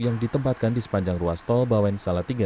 yang ditempatkan di sepanjang ruas tol bawen salatiga